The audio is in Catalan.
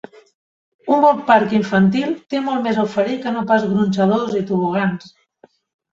Un bon parc infantil té molt més a oferir que no pas gronxadors i tobogans.